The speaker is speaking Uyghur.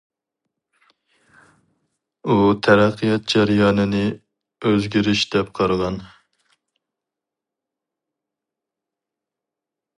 ئۇ تەرەققىيات جەريانىنى ئۆزگىرىش دەپ قارىغان.